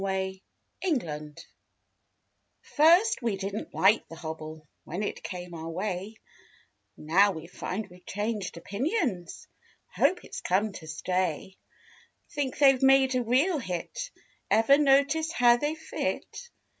K., MISS HOBBLE First we didn't like the hobble When it came our way; Now we find we've changed opinions— Hope it's come to stay. Think they've made a real hit. Ever notice how they fit?